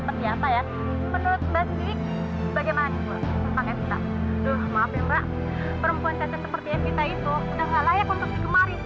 perempuan tetes seperti evita itu udah gak layak untuk digemari